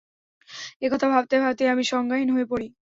একথা ভাবতে ভাবতেই আমি সংজ্ঞাহীন হয়ে পড়ি।